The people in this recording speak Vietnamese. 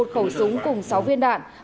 một khẩu súng cùng sáu viên đạn